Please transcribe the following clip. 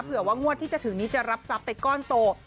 เผื่อว่างวดที่จะถึงนี้จะรับทรัพย์ไปก้อนโต